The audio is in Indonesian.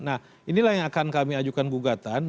nah inilah yang akan kami ajukan gugatan